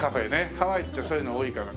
ハワイってそういうの多いから。